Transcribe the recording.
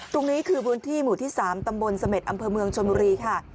ตรงนี้คือพื้นที่หมู่ที่๓ตำบลเสม็ดอำเภอเมืองชนบุรีค่ะ